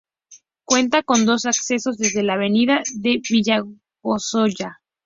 Cuenta con dos accesos desde la Avenida de Villajoyosa.